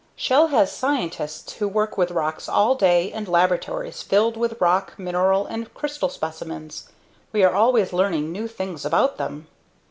Shell has scientists who work with rocks all day and laboratories filled with rock, mineral and crystal specimens. We are always learning new things about them.